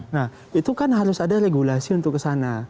nah itu kan harus ada regulasi untuk ke sana